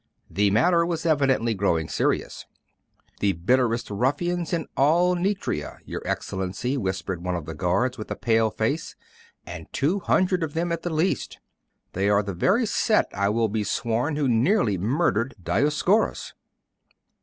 The matter was evidently growing serious. 'The bitterest ruffians in all Nitria, your Excellency,' whispered one of the guards, with a pale face; 'and two hundred of them at the least. The very same set, I will be sworn, who nearly murdered Dioscuros.